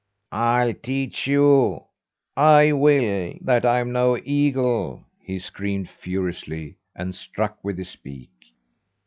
"I'll teach you, I will, that I'm no eagle!" he screamed furiously, and struck with his beak.